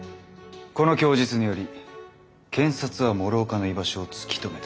この供述により検察は諸岡の居場所を突き止めた。